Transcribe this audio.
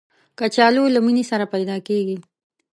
کچالو له مینې سره پیدا کېږي